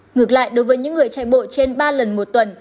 ngược lại đối với những người chạy bộ trên ba lần một tuần